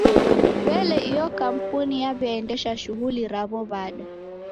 W'ele iyo kampuni yaw'iaendesha shughuli raw'o w'ada?